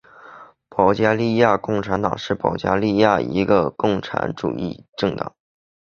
保加利亚共产党是保加利亚的一个共产主义政党。